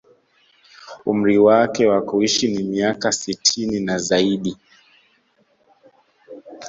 Umri wake wa kuishi ni miaka sitini na zaidi